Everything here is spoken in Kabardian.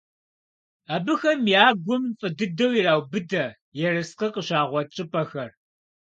Абыхэм я гум фӀы дыдэу ираубыдэ ерыскъы къыщагъуэт щӀыпӀэхэр.